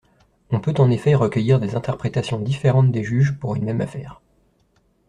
On peut en effet recueillir des interprétations différentes des juges pour une même affaire.